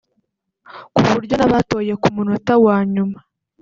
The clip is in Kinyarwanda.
ku buryo n’abatoye ku munota wa nyuma